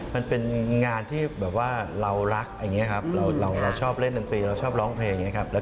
มันเป็นงานที่เรารักเราชอบเล่นดำกรีและเราชอบร้องเพลง